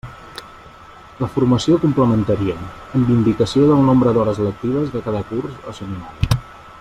La formació complementaria, amb indicació del nombre d'hores lectives de cada curs o seminari.